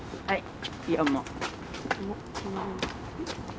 はい。